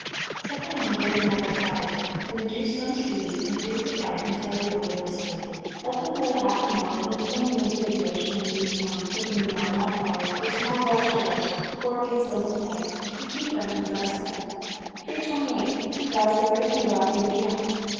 Set them on a very moderate fire when the juice runs freely, increase the fire, until they boil briskly. Let them boil half an hour, then turn them into a dish when lukewarm, put them in wide mouthed bottles, or small glass jars, cork and seal them tight, and keep them in dry sand. 328. _Raspberry and Blackberry Jam.